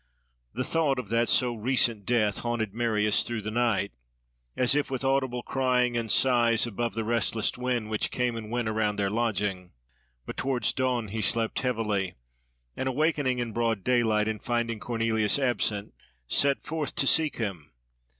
The thought of that so recent death, haunted Marius through the night, as if with audible crying and sighs above the restless wind, which came and went around their lodging. But towards dawn he slept heavily; and awaking in broad daylight, and finding Cornelius absent, set forth to seek him.